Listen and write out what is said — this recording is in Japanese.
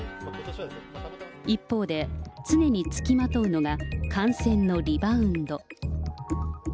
一方で、常に付きまとうのが感染のリバウンド。